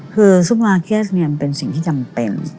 คือซุปมาร์เคสเนี่ยมันเป็นสิ่งที่จำเป็น